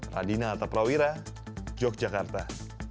radina ataprawira yogyakarta